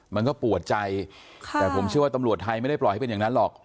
มันก็ปวดใจแต่ผมเชื่อว่าตำรวจไทยไม่ได้ปล่อยให้เป็นอย่างนั้นหรอก